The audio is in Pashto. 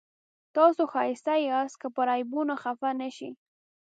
تاسو ښایسته یاست که پر عیبونو خفه نه شئ.